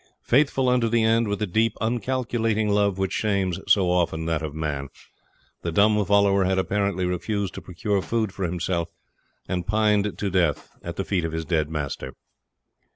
Faithful unto the end, with the deep, uncalculating love which shames so often that of man, the dumb follower had apparently refused to procure food for himself, and pined to death at the feet of his dead master.